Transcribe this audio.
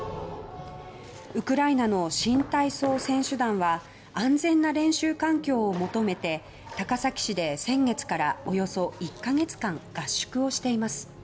ウクライナの新体操選手団は安全な練習環境を求めて高崎市で、先月からおよそ１か月間合宿をしています。